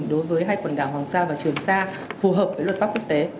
đối với hai quần đảo hoàng sa và trường sa phù hợp với luật pháp quốc tế